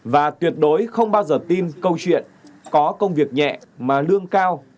và tuyệt đối không bao giờ tin câu chuyện có công việc nhẹ mà lương cao